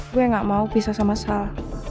gue gak mau pisah sama saya